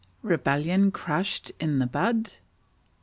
Rebellion crushed in the Bud.